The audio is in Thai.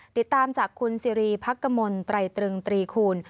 ติดตามจากคุณสิริพักกมลไตรตรึงตรีคูณ